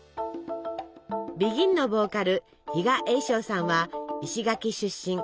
ＢＥＧＩＮのボーカル比嘉栄昇さんは石垣出身。